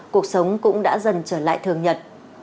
cuộc sống cũng đã dần trở lại thường nhật